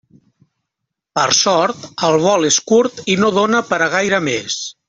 Per sort, el vol és curt i no dóna per a gaire més.